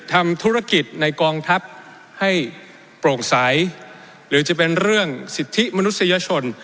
ทำธุรกิจในกองทัพให้โปร่งใสหรือจะเป็นเรื่องสิทธิมนุษยชน